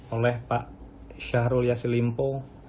oleh pak syahrol yasselimpo